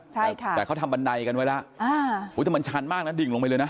ใช่ค่ะแต่เขาทำบันไดกันไว้แล้วอ่าอุ้ยแต่มันชันมากนะดิ่งลงไปเลยนะ